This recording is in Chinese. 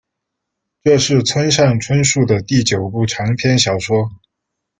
这是村上春树的第九部长篇小说。